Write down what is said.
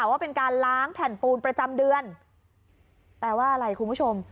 ว่าเป็นการล้างแผ่นปูนประจำเดือนแปลว่าอะไรคุณผู้ชม